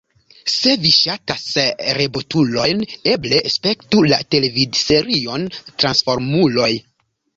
Se vi ŝatas robotulojn, eble spektu la televidserion Transformuloj.